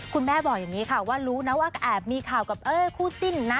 คุณแม่บอกอย่างนี้ค่ะว่ารู้นะว่าแอบมีข่าวกับคู่จิ้นนะ